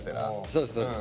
そうですそうです。